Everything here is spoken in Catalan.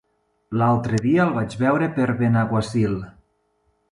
L'altre dia el vaig veure per Benaguasil.